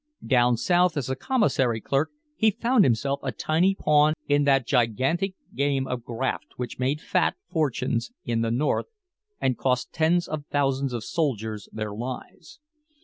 Down South as a commissary clerk he found himself a tiny pawn in that gigantic game of graft which made fat fortunes in the North and cost tens of thousands of soldiers their lives.